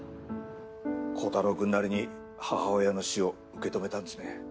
コタローくんなりに母親の死を受け止めたんですね。